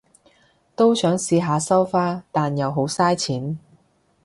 都想試下收花，但又好晒錢